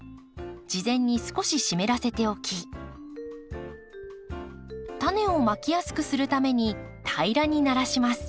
事前に少し湿らせておきタネをまきやすくするために平らにならします。